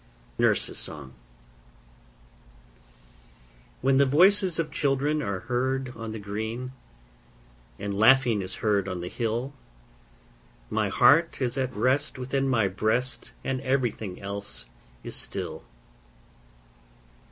NURSE'S SONG When voices of children are heard on the green, And laughing is heard on the hill, My heart is at rest within my breast, And everything else is still.